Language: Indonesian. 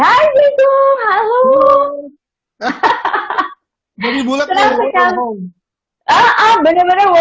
hai beligum halo